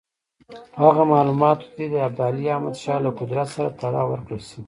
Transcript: هغه معلومات دې د ابدالي احمدشاه له قدرت سره تړاو ورکړل شي.